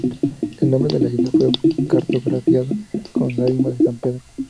El nombre de la isla fue cartografiado como "Lágrimas de San Pedro".